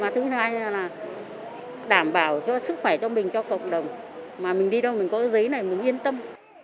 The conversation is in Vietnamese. thứ hai là đảm bảo cho sức khỏe cho mình cho cộng đồng mà mình đi đâu mình có giấy này mình yên tâm